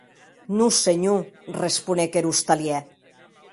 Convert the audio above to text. Non senhor, responec er ostalièr.